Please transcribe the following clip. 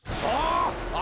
あ！